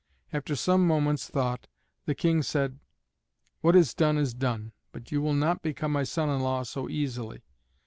After some moments' thought the King said: "What is done is done. But you will not become my son in law so easily.